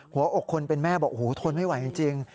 หัวอกคนเป็นแม่บอกโอ้โหทนไม่ไหวจริง